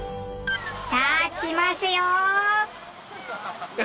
さあ来ますよー！